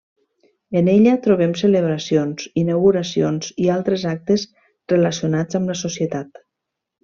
En ella trobem celebracions, inauguracions i altres actes relacionats amb la societat.